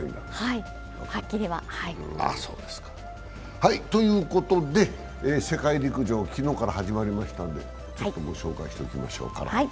はい、はっきりは。ということで、世界陸上は昨日から始まりましたので、ご紹介しておきましょう。